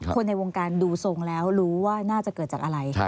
คนในวงการดูทรงแล้วรู้ว่าน่าจะเกิดจากอะไร